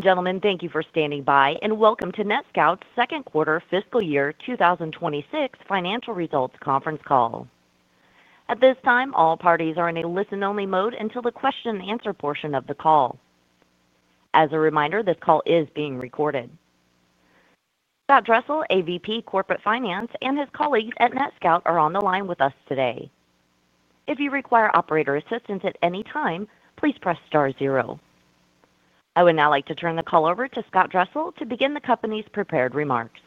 Gentlemen, thank you for standing by, and welcome to NETSCOUT's Second Quarter Fiscal Year 2026 Financial Results Conference Call. At this time, all parties are in a listen-only mode until the question-and-answer portion of the call. As a reminder, this call is being recorded. Scott Dressel, AVP Corporate Finance, and his colleagues at NETSCOUT are on the line with us today. If you require operator assistance at any time, please press star zero. I would now like to turn the call over to Scott Dressel to begin the company's prepared remarks.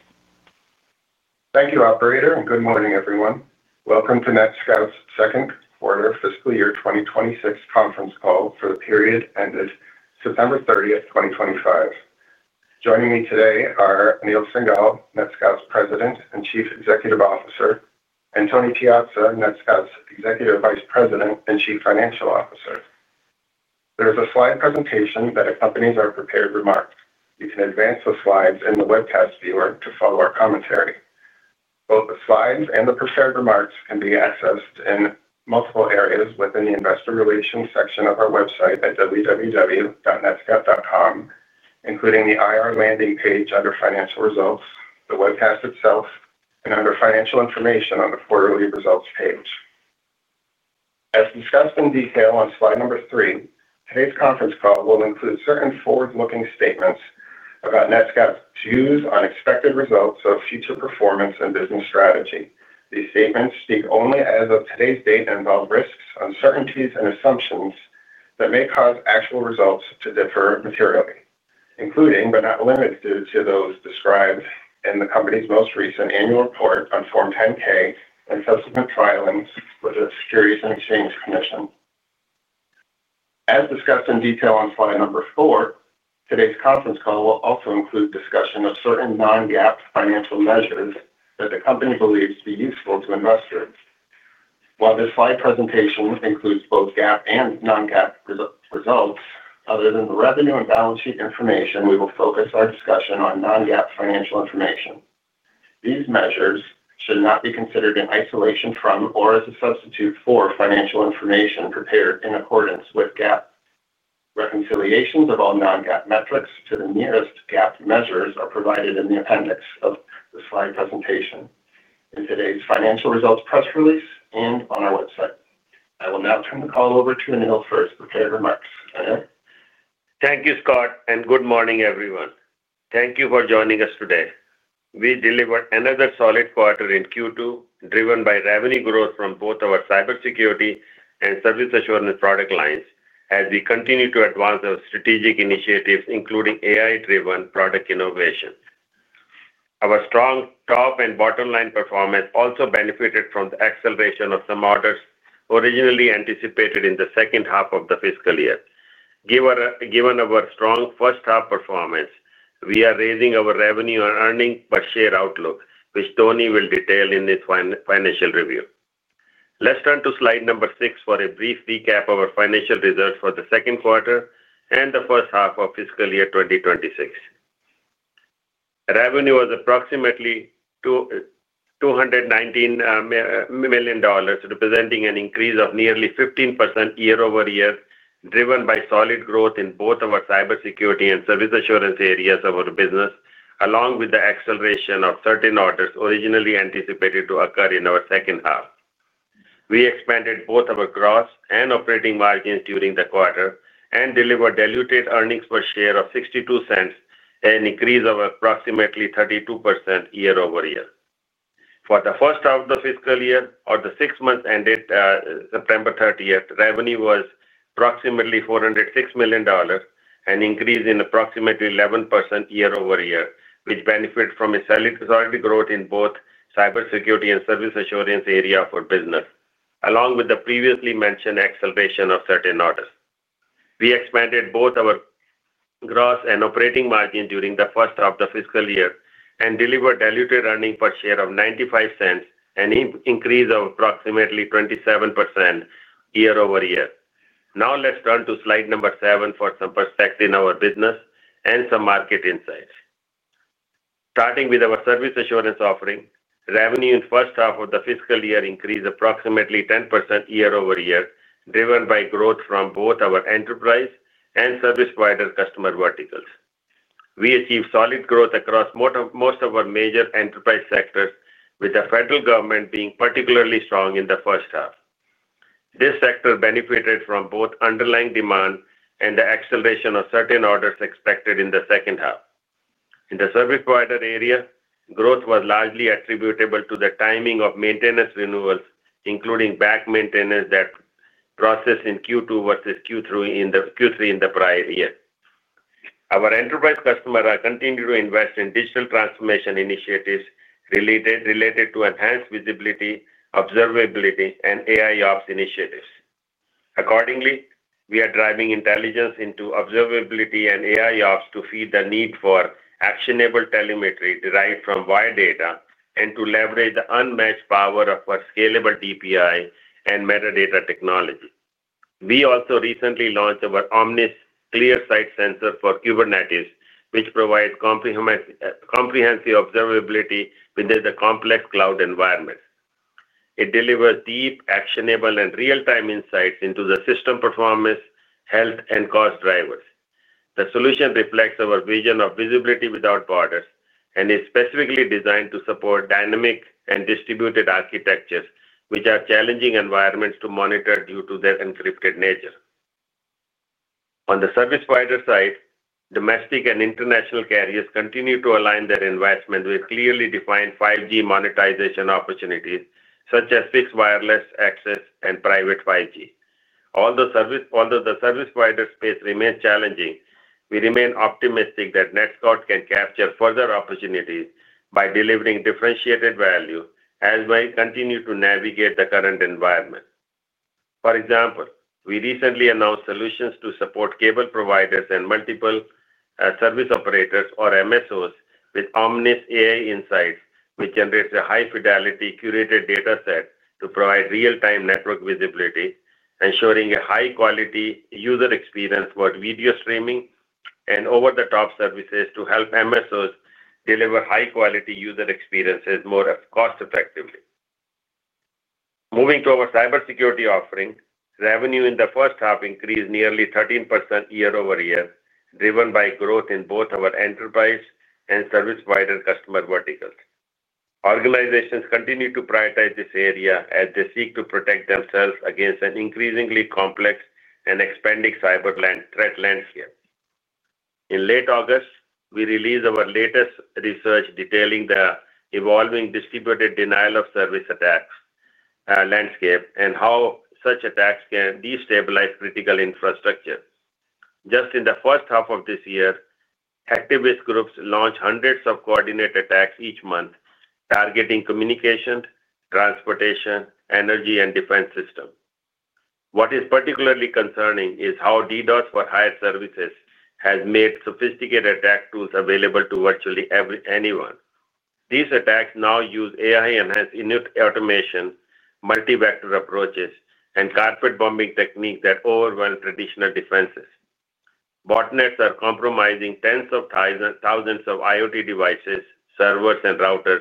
Thank you, operator, and good morning, everyone. Welcome to NETSCOUT's Second Quarter Fiscal Year 2026 Conference Call for the period ended September 30th, 2025. Joining me today are Anil Singhal, NETSCOUT's President and Chief Executive Officer, and Tony Piazza, NETSCOUT's Executive Vice President and Chief Financial Officer. There is a slide presentation that accompanies our prepared remarks. You can advance the slides in the webcast viewer to follow our commentary. Both the slides and the prepared remarks can be accessed in multiple areas within the investor relations section of our website at www.netscout.com, including the IR landing page under financial results, the webcast itself, and under financial information on the quarterly results page. As discussed in detail on slide number three, today's conference call will include certain forward-looking statements about NETSCOUT's views on expected results of future performance and business strategy. These statements speak only as of today's date and involve risks, uncertainties, and assumptions that may cause actual results to differ materially, including but not limited to those described in the company's most recent annual report on Form 10-K and subsequent filings with the Securities and Exchange Commission. As discussed in detail on slide number four, today's conference call will also include discussion of certain non-GAAP financial measures that the company believes to be useful to investors. While this slide presentation includes both GAAP and non-GAAP results, other than the revenue and balance sheet information, we will focus our discussion on non-GAAP financial information. These measures should not be considered in isolation from or as a substitute for financial information prepared in accordance with GAAP. Reconciliations of all non-GAAP metrics to the nearest GAAP measures are provided in the appendix of the slide presentation in today's financial results press release and on our website. I will now turn the call over to Anil for his prepared remarks. Anil. Thank you, Scott, and good morning, everyone. Thank you for joining us today. We delivered another solid quarter in Q2, driven by revenue growth from both our cybersecurity and service assurance product lines as we continue to advance our strategic initiatives, including AI-driven product innovation. Our strong top and bottom-line performance also benefited from the acceleration of some orders originally anticipated in the second half of the fiscal year. Given our strong first-half performance, we are raising our revenue and earnings per share outlook, which Tony will detail in his financial review. Let's turn to slide number six for a brief recap of our financial results for the second quarter and the first half of fiscal year 2026. Revenue was approximately $219 million, representing an increase of nearly 15% year-over-year, driven by solid growth in both our cybersecurity and service assurance areas of our business, along with the acceleration of certain orders originally anticipated to occur in our second half. We expanded both our gross and operating margins during the quarter and delivered diluted earnings per share of $0.62, an increase of approximately 32% year-over-year. For the first half of the fiscal year, or the six months ended September 30th, revenue was approximately $406 million, an increase in approximately 11% year-over-year, which benefited from solid growth in both cybersecurity and service assurance areas of our business, along with the previously mentioned acceleration of certain orders. We expanded both our gross and operating margins during the first half of the fiscal year and delivered diluted earnings per share of $0.95, an increase of approximately 27% year-over-year. Now, let's turn to slide number seven for some perspective in our business and some market insights. Starting with our service assurance offering, revenue in the first half of the fiscal year increased approximately 10% year-over-year, driven by growth from both our enterprise and service provider customer verticals. We achieved solid growth across most of our major enterprise sectors, with the federal government being particularly strong in the first half. This sector benefited from both underlying demand and the acceleration of certain orders expected in the second half. In the service provider area, growth was largely attributable to the timing of maintenance renewals, including back maintenance that processed in Q2 versus Q3 in the prior year. Our enterprise customers are continuing to invest in digital transformation initiatives related to enhanced visibility, observability, and AI ops initiatives. Accordingly, we are driving intelligence into observability and AI ops to feed the need for actionable telemetry derived from wide data and to leverage the unmatched power of our scalable DPI and metadata technology. We also recently launched our Omnis KlearSight Sensor for Kubernetes, which provides comprehensive observability within the complex cloud environment. It delivers deep, actionable, and real-time insights into the system performance, health, and cost drivers. The solution reflects our vision of visibility without borders and is specifically designed to support dynamic and distributed architectures, which are challenging environments to monitor due to their encrypted nature. On the service provider side, domestic and international carriers continue to align their investment with clearly defined 5G monetization opportunities, such as fixed wireless access and private 5G. Although the service provider space remains challenging, we remain optimistic that NETSCOUT can capture further opportunities by delivering differentiated value as we continue to navigate the current environment. For example, we recently announced solutions to support cable providers and multiple service operators, or MSOs, with Omnis AI Insights, which generates a high-fidelity curated data set to provide real-time network visibility, ensuring a high-quality user experience for video streaming and over-the-top services to help MSOs deliver high-quality user experiences more cost-effectively. Moving to our cybersecurity offering, revenue in the first half increased nearly 13% year-over-year, driven by growth in both our enterprise and service provider customer verticals. Organizations continue to prioritize this area as they seek to protect themselves against an increasingly complex and expanding cyber threat landscape. In late August, we released our latest research detailing the evolving distributed denial-of-service attacks landscape and how such attacks can destabilize critical infrastructure. Just in the first half of this year, hacktivist groups launched hundreds of coordinated attacks each month targeting communication, transportation, energy, and defense systems. What is particularly concerning is how DDoS-for-hire services have made sophisticated attack tools available to virtually anyone. These attacks now use AI-enhanced automation, multi-vector approaches, and carpet-bombing techniques that overwhelm traditional defenses. Botnets are compromising tens of thousands of IoT devices, servers, and routers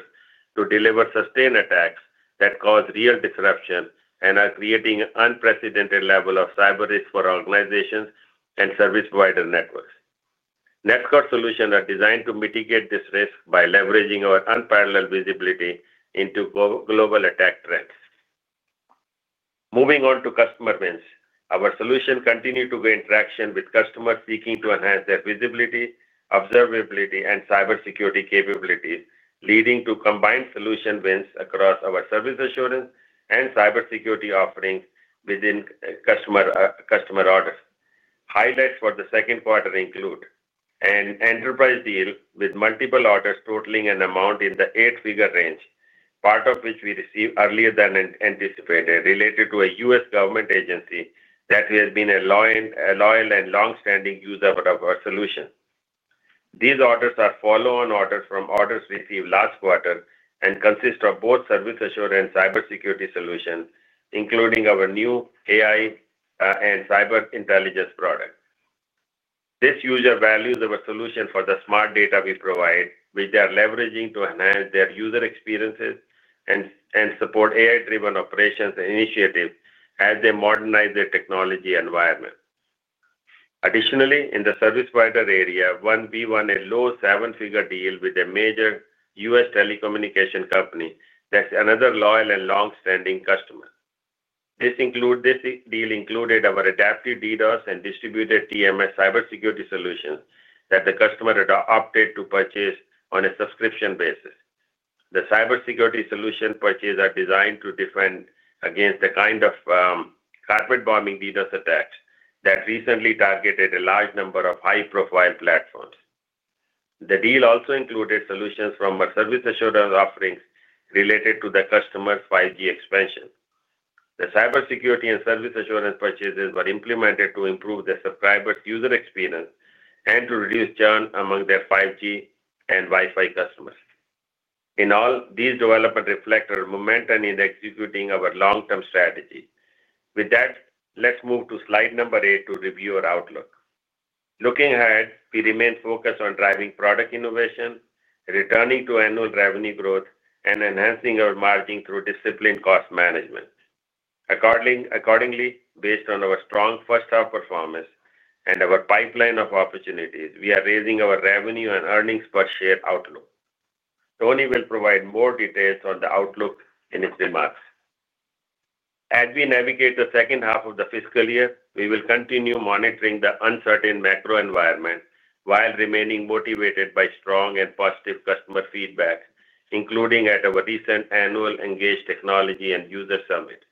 to deliver sustained attacks that cause real disruption and are creating an unprecedented level of cyber risk for organizations and service provider networks. NETSCOUT solutions are designed to mitigate this risk by leveraging our unparalleled visibility into global attack threats. Moving on to customer wins, our solutions continue to gain traction with customers seeking to enhance their visibility, observability, and cybersecurity capabilities, leading to combined solution wins across our service assurance and cybersecurity offerings within customer orders. Highlights for the second quarter include an enterprise deal with multiple orders totaling an amount in the eight-figure range, part of which we received earlier than anticipated, related to a U.S. government agency that has been a loyal and long-standing user of our solution. These orders are follow-on orders from orders received last quarter and consist of both service assurance and cybersecurity solutions, including our new AI and cyber intelligence products. This user values our solution for the smart data we provide, which they are leveraging to enhance their user experiences and support AI-driven operations and initiatives as they modernize their technology environment. Additionally, in the service provider area, we won a low seven-figure deal with a major U.S. telecommunication company that's another loyal and long-standing customer. This deal included our adaptive DDoS and distributed TMS cybersecurity solutions that the customer opted to purchase on a subscription basis. The cybersecurity solution purchases are designed to defend against the kind of carpet-bombing DDoS attacks that recently targeted a large number of high-profile platforms. The deal also included solutions from our service assurance offerings related to the customer's 5G expansion. The cybersecurity and service assurance purchases were implemented to improve the subscriber's user experience and to reduce churn among their 5G and Wi-Fi customers. In all, these developments reflect our momentum in executing our long-term strategy. With that, let's move to slide number eight to review our outlook. Looking ahead, we remain focused on driving product innovation, returning to annual revenue growth, and enhancing our margin through disciplined cost management. Accordingly, based on our strong first-half performance and our pipeline of opportunities, we are raising our revenue and earnings per share outlook. Tony will provide more details on the outlook in his remarks. As we navigate the second half of the fiscal year, we will continue monitoring the uncertain macro environment while remaining motivated by strong and positive customer feedback, including at our recent annual Engaged Technology and User Summit.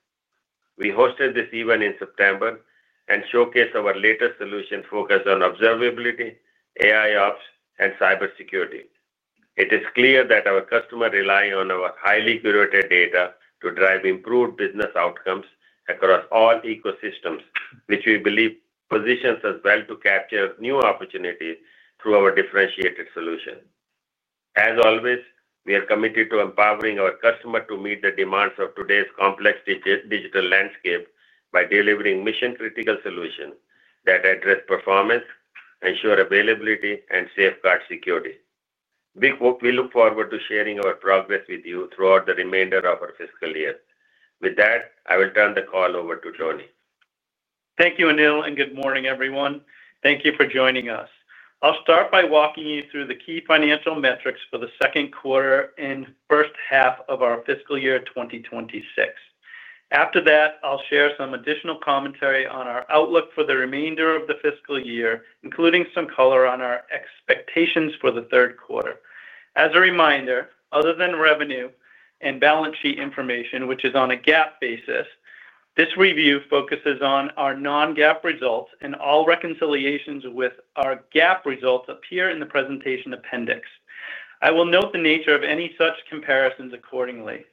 We hosted this event in September and showcased our latest solution focused on observability, AI ops, and cybersecurity. It is clear that our customers rely on our highly curated data to drive improved business outcomes across all ecosystems, which we believe positions us well to capture new opportunities through our differentiated solution. As always, we are committed to empowering our customers to meet the demands of today's complex digital landscape by delivering mission-critical solutions that address performance, ensure availability, and safeguard security. We look forward to sharing our progress with you throughout the remainder of our fiscal year. With that, I will turn the call over to Tony. Thank you, Anil, and good morning, everyone. Thank you for joining us. I'll start by walking you through the key financial metrics for the second quarter and first half of our fiscal year 2026. After that, I'll share some additional commentary on our outlook for the remainder of the fiscal year, including some color on our expectations for the third quarter. As a reminder, other than revenue and balance sheet information, which is on a GAAP basis, this review focuses on our non-GAAP results, and all reconciliations with our GAAP results appear in the presentation appendix. I will note the nature of any such comparisons accordingly.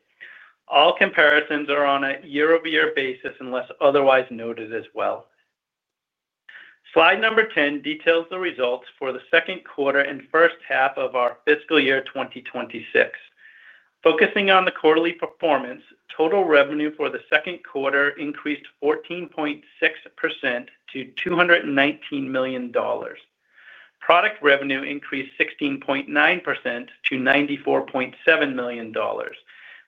All comparisons are on a year-over-year basis unless otherwise noted as well. Slide number 10 details the results for the second quarter and first half of our fiscal year 2026. Focusing on the quarterly performance, total revenue for the second quarter increased 14.6% to $219 million. Product revenue increased 16.9% to $94.7 million,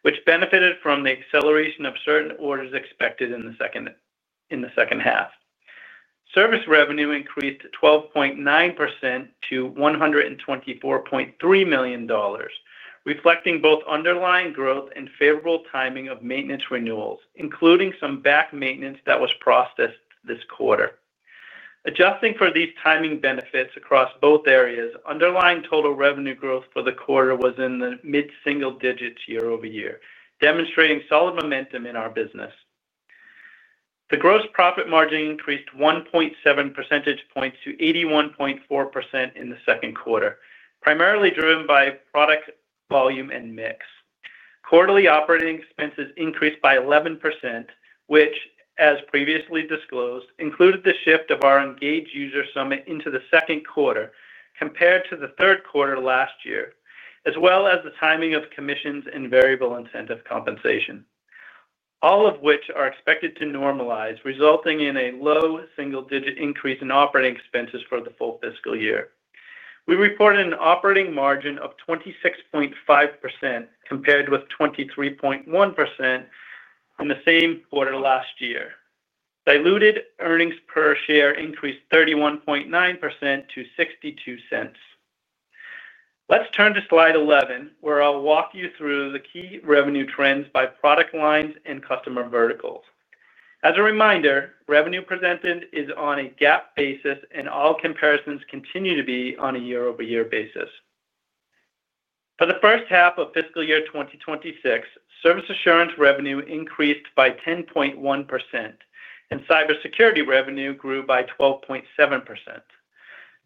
which benefited from the acceleration of certain orders expected in the second half. Service revenue increased 12.9% to $124.3 million, reflecting both underlying growth and favorable timing of maintenance renewals, including some back maintenance that was processed this quarter. Adjusting for these timing benefits across both areas, underlying total revenue growth for the quarter was in the mid-single digits year-over-year, demonstrating solid momentum in our business. The gross profit margin increased 1.7 percentage points to 81.4% in the second quarter, primarily driven by product volume and mix. Quarterly operating expenses increased by 11%, which, as previously disclosed, included the shift of our Engaged User Summit into the second quarter compared to the third quarter last year, as well as the timing of commissions and variable incentive compensation. All of which are expected to normalize, resulting in a low single-digit increase in operating expenses for the full fiscal year. We reported an operating margin of 26.5% compared with 23.1% in the same quarter last year. Diluted earnings per share increased 31.9% to $0.62. Let's turn to slide 11, where I'll walk you through the key revenue trends by product lines and customer verticals. As a reminder, revenue presented is on a GAAP basis, and all comparisons continue to be on a year-over-year basis. For the first half of fiscal year 2026, service assurance revenue increased by 10.1%, and cybersecurity revenue grew by 12.7%.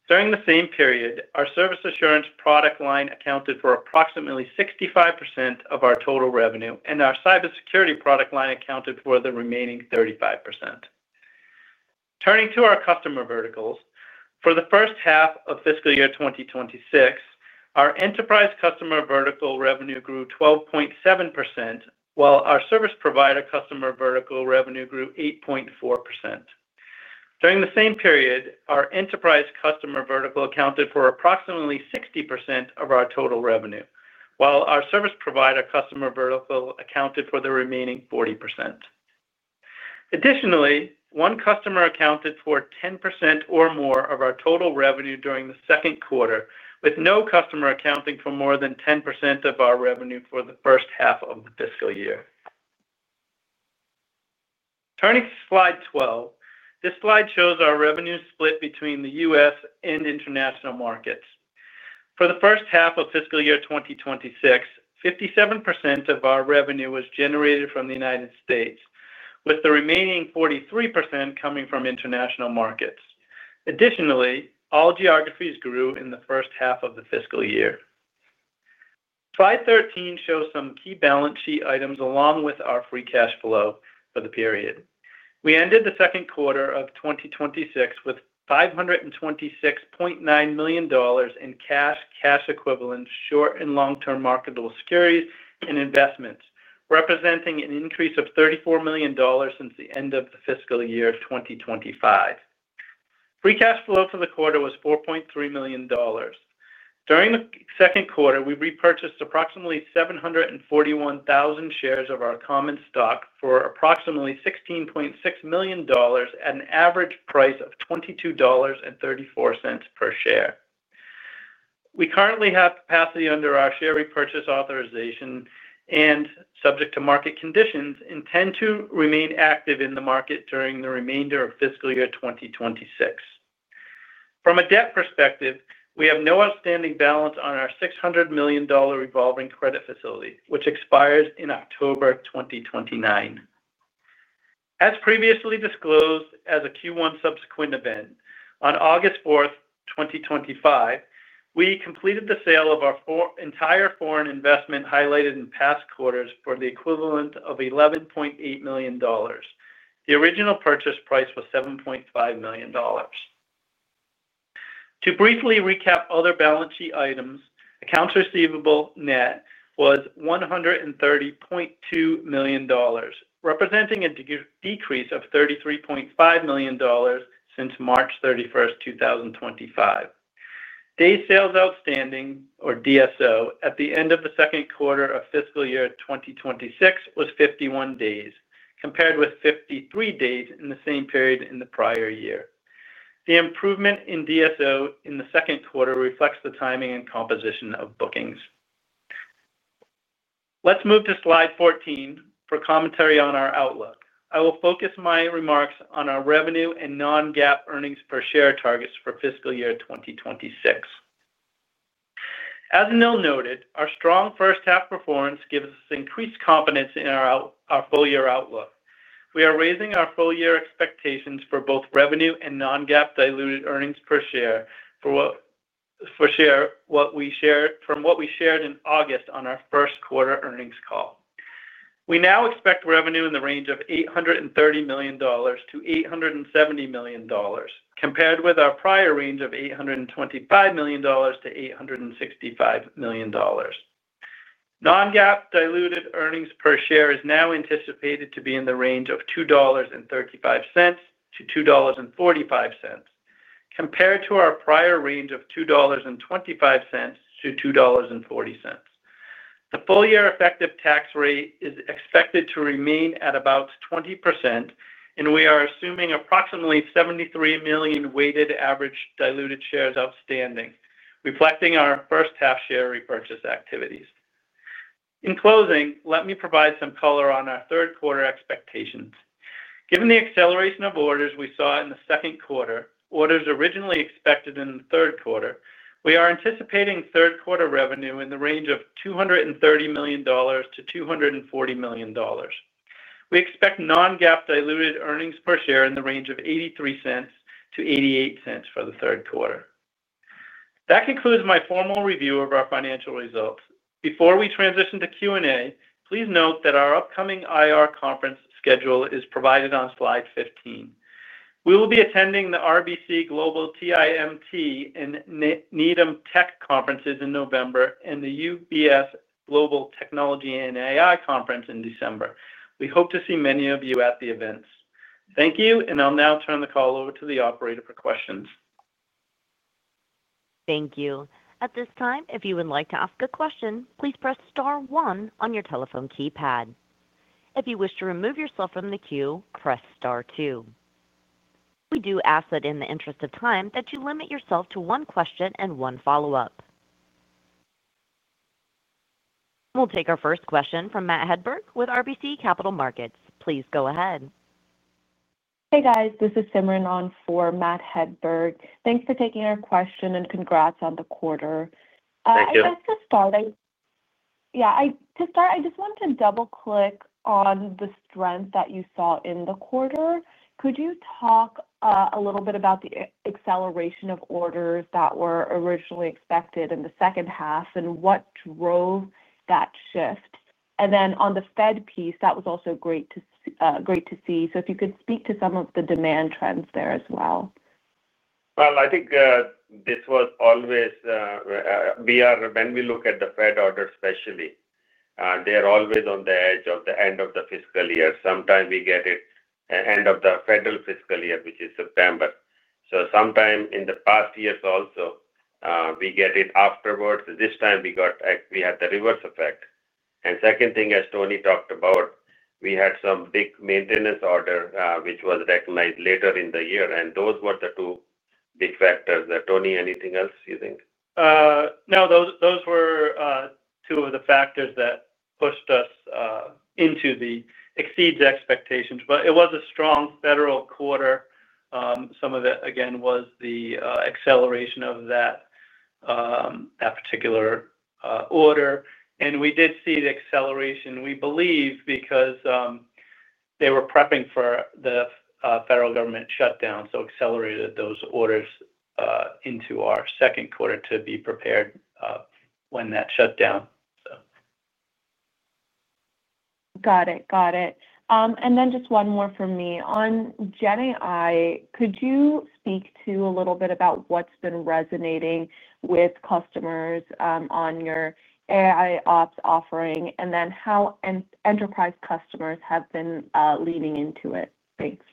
During the same period, our service assurance product line accounted for approximately 65% of our total revenue, and our cybersecurity product line accounted for the remaining 35%. Turning to our customer verticals, for the first half of fiscal year 2026, our enterprise customer vertical revenue grew 12.7%, while our service provider customer vertical revenue grew 8.4%. During the same period, our enterprise customer vertical accounted for approximately 60% of our total revenue, while our service provider customer vertical accounted for the remaining 40%. Additionally, one customer accounted for 10% or more of our total revenue during the second quarter, with no customer accounting for more than 10% of our revenue for the first half of the fiscal year. Turning to slide 12, this slide shows our revenue split between the U.S. and international markets. For the first half of fiscal year 2026, 57% of our revenue was generated from the United States, with the remaining 43% coming from international markets. Additionally, all geographies grew in the first half of the fiscal year. Slide 13 shows some key balance sheet items along with our free cash flow for the period. We ended the second quarter of 2026 with $526.9 million in cash, cash equivalents, short and long-term marketable securities and investments, representing an increase of $34 million since the end of fiscal year 2025. Free cash flow for the quarter was $4.3 million. During the second quarter, we repurchased approximately 741,000 shares of our common stock for approximately $16.6 million at an average price of $22.34 per share. We currently have capacity under our share repurchase authorization and, subject to market conditions, intend to remain active in the market during the remainder of fiscal year 2026. From a debt perspective, we have no outstanding balance on our $600 million revolving credit facility, which expires in October 2029. As previously disclosed as a Q1 subsequent event, on August 4, 2025, we completed the sale of our entire foreign investment highlighted in past quarters for the equivalent of $11.8 million. The original purchase price was $7.5 million. To briefly recap other balance sheet items, accounts receivable net was $130.2 million, representing a decrease of $33.5 million since March 31, 2025. Days sales outstanding, or DSO, at the end of the second quarter of fiscal year 2026 was 51 days, compared with 53 days in the same period in the prior year. The improvement in DSO in the second quarter reflects the timing and composition of bookings. Let's move to slide 14 for commentary on our outlook. I will focus my remarks on our revenue and non-GAAP earnings per share targets for fiscal year 2026. As Anil noted, our strong first-half performance gives us increased confidence in our full-year outlook. We are raising our full-year expectations for both revenue and non-GAAP diluted earnings per share from what we shared in August on our first quarter earnings call. We now expect revenue in the range of $830 million-$870 million, compared with our prior range of $825 million-$865 million. Non-GAAP diluted earnings per share is now anticipated to be in the range of $2.35-$2.45, compared to our prior range of $2.25-$2.40. The full-year effective tax rate is expected to remain at about 20%, and we are assuming approximately 73 million weighted average diluted shares outstanding, reflecting our first-half share repurchase activities. In closing, let me provide some color on our third quarter expectations. Given the acceleration of orders we saw in the second quarter, orders originally expected in the third quarter, we are anticipating third-quarter revenue in the range of $230 million-$240 million. We expect non-GAAP diluted earnings per share in the range of $0.83-$0.88 for the third quarter. That concludes my formal review of our financial results. Before we transition to Q&A, please note that our upcoming IR conference schedule is provided on slide 15. We will be attending the RBC Global TIMT and Needham Tech Conferences in November and the UBS Global Technology and AI Conference in December. We hope to see many of you at the events. Thank you, and I'll now turn the call over to the operator for questions. Thank you. At this time, if you would like to ask a question, please press Star 1 on your telephone keypad. If you wish to remove yourself from the queue, press Star 2. We do ask that in the interest of time that you limit yourself to one question and one follow-up. We'll take our first question from Matt Hedberg with RBC Capital Markets. Please go ahead. Hey, guys. This is Simran on for Matt Hedberg. Thanks for taking our question and congrats on the quarter. Thank you. Let's get started. Yeah. To start, I just want to double-click on the strength that you saw in the quarter. Could you talk a little bit about the acceleration of orders that were originally expected in the second half and what drove that shift? On the Fed piece, that was also great to see. If you could speak to some of the demand trends there as well. I think this was always. When we look at the Fed orders especially, they are always on the edge of the end of the fiscal year. Sometimes we get it end of the federal fiscal year, which is September. Sometime in the past years also, we get it afterwards. This time, we had the reverse effect. The second thing, as Tony talked about, we had some big maintenance order, which was recognized later in the year. Those were the two big factors. Tony, anything else you think? No, those were two of the factors that pushed us into the exceeds expectations. But it was a strong federal quarter. Some of it, again, was the acceleration of that particular order. And we did see the acceleration, we believe, because they were prepping for the federal government shutdown, so accelerated those orders into our second quarter to be prepared when that shutdown, so. Got it. Got it. And then just one more for me. On GenAI, could you speak to a little bit about what's been resonating with customers on your AI Ops offering, and then how enterprise customers have been leaning into it? Thanks.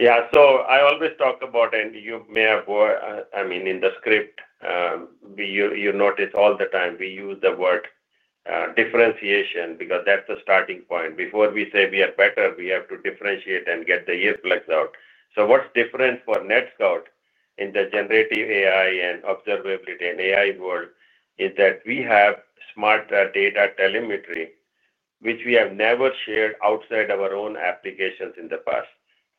Yeah. So I always talk about, and you may have heard, I mean, in the script. You notice all the time we use the word differentiation because that's the starting point. Before we say we are better, we have to differentiate and get the ear flags out. What is different for NETSCOUT in the generative AI and observability and AI world is that we have smart data telemetry, which we have never shared outside of our own applications in the past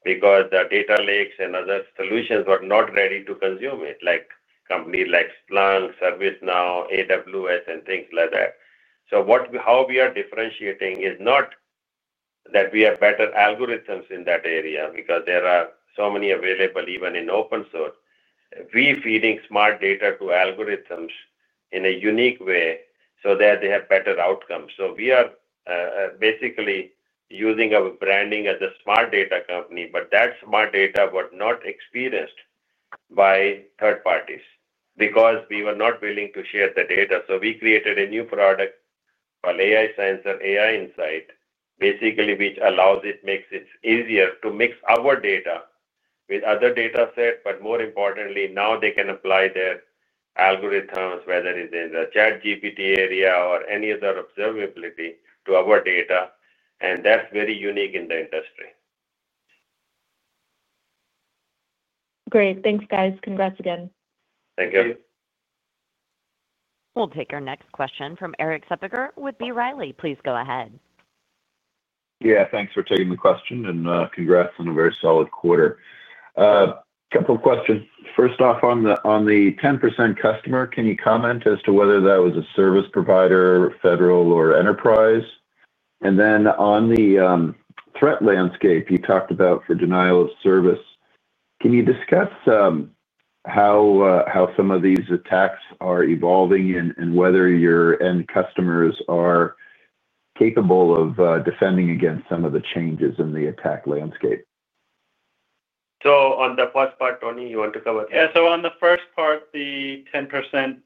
because the data lakes and other solutions were not ready to consume it, like companies like Splunk, ServiceNow, AWS, and things like that. How we are differentiating is not that we have better algorithms in that area because there are so many available even in open source. We are feeding smart data to algorithms in a unique way so that they have better outcomes. We are basically using our branding as a smart data company, but that smart data was not experienced by third parties because we were not willing to share the data. We created a new product called AI Sensor AI Insight, basically, which allows it, makes it easier to mix our data with other data sets. More importantly, now they can apply their algorithms, whether it is in the ChatGPT area or any other observability, to our data. That is very unique in the industry. Great. Thanks, guys. Congrats again. Thank you. We'll take our next question from Erik Suppiger with B. Riley Securities. Please go ahead. Yeah. Thanks for taking the question and congrats on a very solid quarter. A couple of questions. First off, on the 10% customer, can you comment as to whether that was a service provider, federal, or enterprise? On the threat landscape you talked about for denial of service, can you discuss how some of these attacks are evolving and whether your end customers are capable of defending against some of the changes in the attack landscape? On the first part, Tony, you want to cover? Yeah. On the first part, the 10%.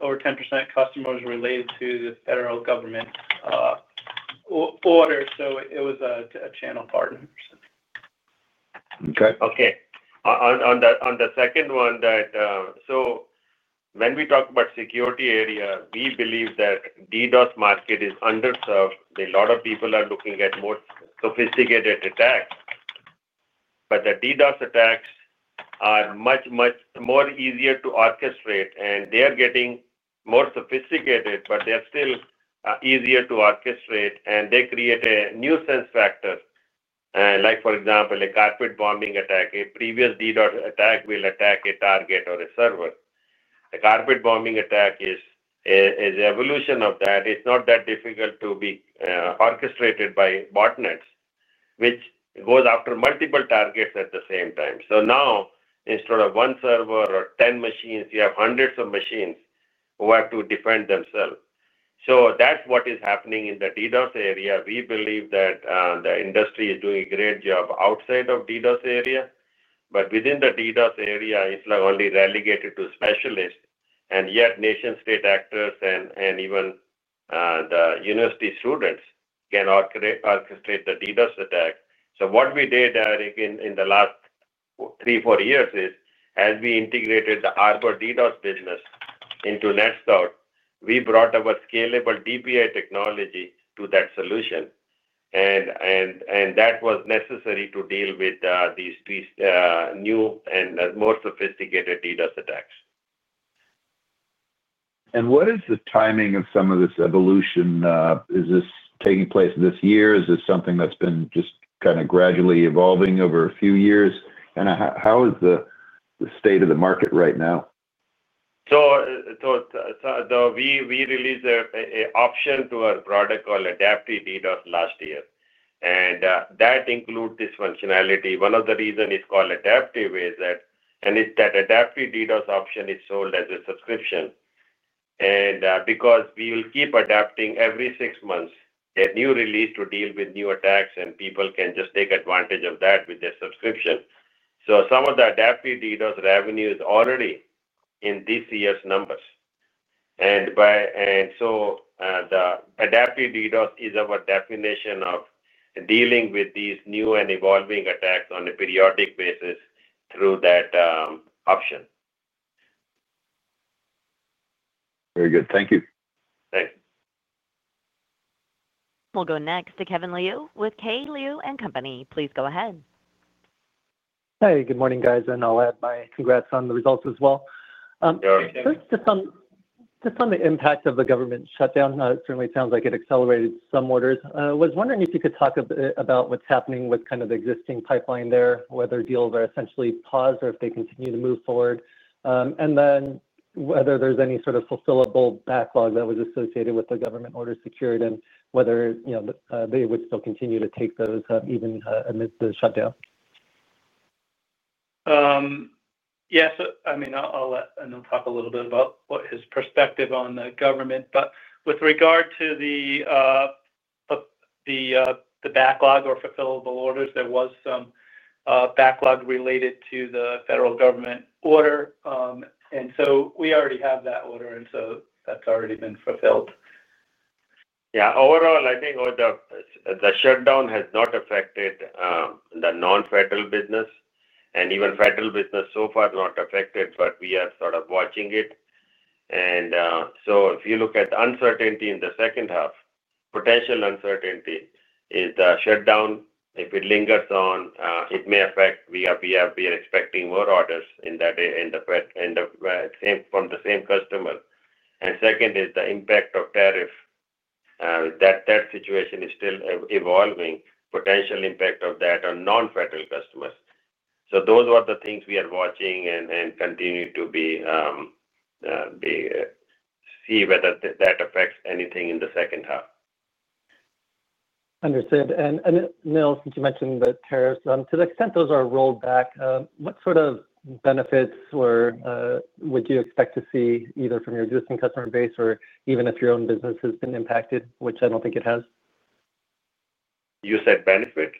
Or 10% customers related to the federal government. Order. It was a channel partner. Okay. Okay. On the second one that, so when we talk about security area, we believe that DDoS market is underserved. A lot of people are looking at more sophisticated attacks. The DDoS attacks are much, much more easier to orchestrate. They are getting more sophisticated, but they're still easier to orchestrate. They create a nuisance factor. Like, for example, a carpet bombing attack. A previous DDoS attack will attack a target or a server. A carpet bombing attack is an evolution of that. It's not that difficult to be orchestrated by botnets, which goes after multiple targets at the same time. Now, instead of one server or 10 machines, you have hundreds of machines who have to defend themselves. That's what is happening in the DDoS area. We believe that the industry is doing a great job outside of the DDoS area. Within the DDoS area, it's only relegated to specialists. Yet nation-state actors and even university students can orchestrate the DDoS attack. What we did in the last three, four years is, as we integrated the Harbor DDoS business into NETSCOUT, we brought our scalable DPI technology to that solution. That was necessary to deal with these new and more sophisticated DDoS attacks. What is the timing of some of this evolution? Is this taking place this year? Is this something that's been just kind of gradually evolving over a few years? How is the state of the market right now? We released an option to our product called Adaptive DDoS last year. That includes this functionality. One of the reasons it's called Adaptive is that the Adaptive DDoS option is sold as a subscription. Because we will keep adapting every six months a new release to deal with new attacks, people can just take advantage of that with their subscription. Some of the Adaptive DDoS revenue is already in this year's numbers. The Adaptive DDoS is our definition of dealing with these new and evolving attacks on a periodic basis through that option. Very good. Thank you. Thanks. We'll go next to Kevin Liu with K. Liu & Company. Please go ahead. Hey, good morning, guys. I'll add my congrats on the results as well. Good. First, just on the impact of the government shutdown. It certainly sounds like it accelerated some orders. I was wondering if you could talk a bit about what's happening with kind of the existing pipeline there, whether deals are essentially paused or if they continue to move forward. I was also wondering whether there's any sort of fulfillable backlog that was associated with the government orders secured and whether they would still continue to take those even amidst the shutdown. Yeah. I mean, I'll let Anil talk a little bit about his perspective on the government. With regard to the backlog or fulfillable orders, there was some backlog related to the federal government order. We already have that order, and that's already been fulfilled. Yeah. Overall, I think the shutdown has not affected the non-federal business. Even federal business so far not affected, but we are sort of watching it. If you look at the uncertainty in the second half, potential uncertainty is the shutdown. If it lingers on, it may affect. We are expecting more orders in that, same from the same customer. Second is the impact of tariff. That situation is still evolving, potential impact of that on non-federal customers. Those are the things we are watching and continue to see whether that affects anything in the second half. Understood. Anil, since you mentioned the tariffs, to the extent those are rolled back, what sort of benefits would you expect to see either from your existing customer base or even if your own business has been impacted, which I do not think it has? You said benefit?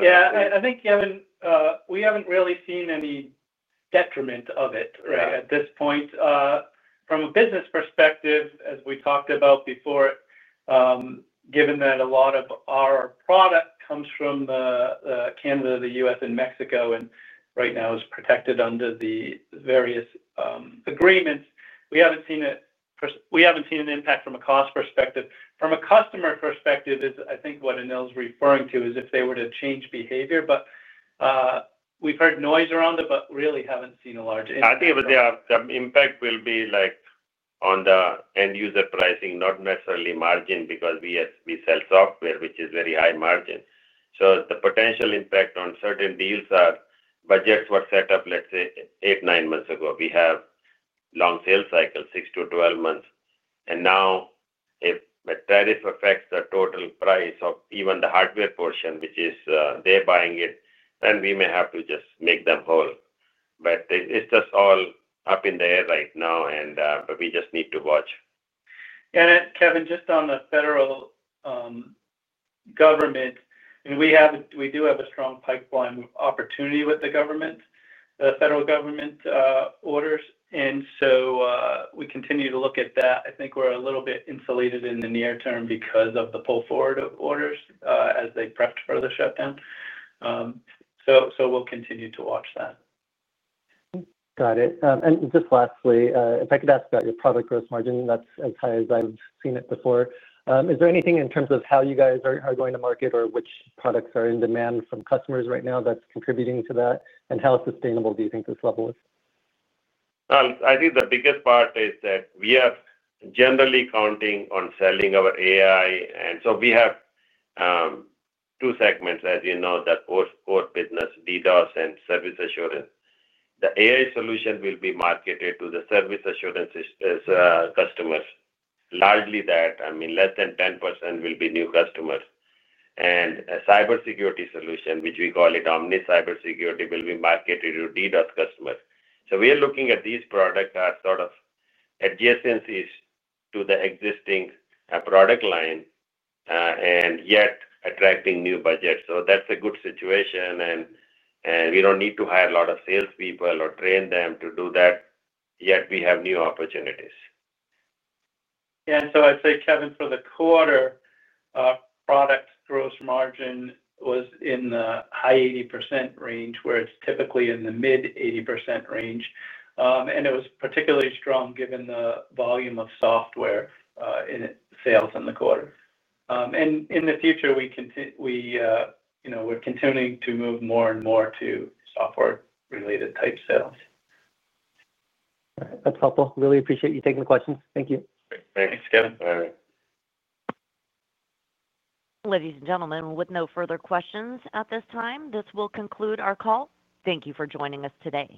Yeah. I think we haven't really seen any detriment of it at this point. From a business perspective, as we talked about before, given that a lot of our product comes from Canada, the U.S., and Mexico, and right now is protected under the various agreements, we haven't seen an impact from a cost perspective. From a customer perspective, I think what Anil's referring to is if they were to change behavior. We've heard noise around it, but really haven't seen a large impact. I think the impact will be on the end user pricing, not necessarily margin because we sell software, which is very high margin. The potential impact on certain deals are budgets were set up, let's say, eight, nine months ago. We have long sales cycles, 6-12 months. Now, if the tariff affects the total price of even the hardware portion, which is they're buying it, then we may have to just make them whole. It is just all up in the air right now, and we just need to watch. Kevin, just on the federal government, we do have a strong pipeline opportunity with the government, the federal government orders, and we continue to look at that. I think we're a little bit insulated in the near term because of the pull forward of orders as they prep for the shutdown. We will continue to watch that. Got it. And just lastly, if I could ask about your product gross margin, that's as high as I've seen it before. Is there anything in terms of how you guys are going to market or which products are in demand from customers right now that's contributing to that? And how sustainable do you think this level is? I think the biggest part is that we are generally counting on selling our AI. And so we have two segments, as you know, that both business, DDoS and service assurance. The AI solution will be marketed to the service assurance customers. Largely that, I mean, less than 10% will be new customers. And a cybersecurity solution, which we call it Omni Cyber Security, will be marketed to DDoS customers. We are looking at these products as sort of adjacencies to the existing product line. And yet attracting new budgets. That is a good situation. We do not need to hire a lot of salespeople or train them to do that. Yet we have new opportunities. Yeah. So I'd say, Kevin, for the quarter. Product gross margin was in the high 80% range, where it's typically in the mid 80% range. It was particularly strong given the volume of software in sales in the quarter. In the future, we are continuing to move more and more to software-related type sales. All right. That's helpful. Really appreciate you taking the questions. Thank you. Thanks, Kevin. Bye. Ladies and gentlemen, with no further questions at this time, this will conclude our call. Thank you for joining us today.